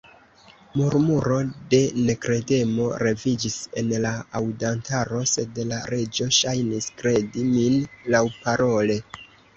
Murmuro de nekredemo leviĝis en la aŭdantaro, sed la Reĝo ŝajnis kredi min laŭparole.